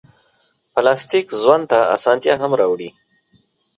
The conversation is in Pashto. پلاستيک ژوند ته اسانتیا هم راوړي.